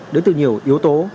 đến từ nhiều yếu tố